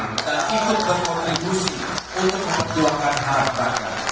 dan ikut berkontribusi untuk memperjuangkan harapan kita